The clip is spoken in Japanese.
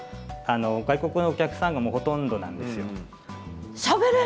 外国のお客さんがほとんどなんですよ。